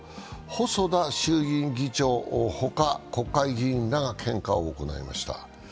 細田衆議院議長の他、国会議員らが献花を行いました。